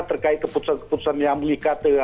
terkait keputusan keputusan yang mengikat